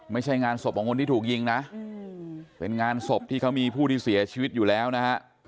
ไม่ใช่งานศพของคนที่ถูกยิงนะเป็นงานศพที่เขามีผู้ที่เสียชีวิตอยู่แล้วนะฮะ